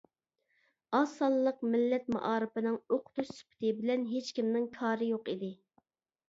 ئاز سانلىق مىللەت مائارىپىنىڭ ئوقۇتۇش سۈپىتى بىلەن ھېچكىمنىڭ كارى يوق ئىدى.